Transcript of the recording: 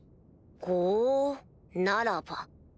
ほうならば。